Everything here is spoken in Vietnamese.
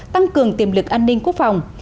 tăng cường tiềm lực an ninh quốc phòng